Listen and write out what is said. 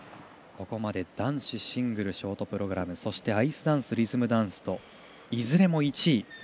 ここまで男子シングルショートプログラムアイスダンス・リズムダンスといずれも１位。